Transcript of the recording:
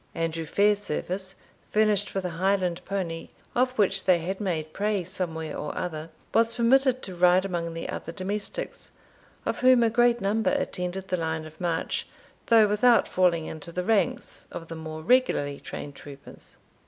Andrew Fairservice, furnished with a Highland pony, of which they had made prey somewhere or other, was permitted to ride among the other domestics, of whom a great number attended the line of march, though without falling into the ranks of the more regularly trained troopers.